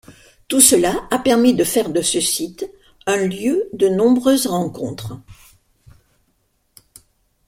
Tout cela a permis de faire de ce site un lieu de nombreuses rencontres.